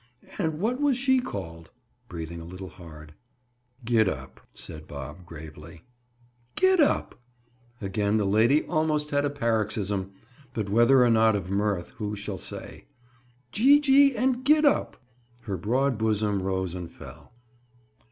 "And what was she called?" Breathing a little hard. "Gid up," said Bob gravely. "'Gid up'!" Again the lady almost had a paroxysm, but whether or not of mirth, who shall say. "Gee gee and Gid up!" Her broad bosom rose and fell.